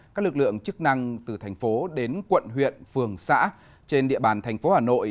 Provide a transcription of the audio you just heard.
các lực lượng chức năng từ thành phố đến quận huyện phường xã trên địa bàn thành phố hà nội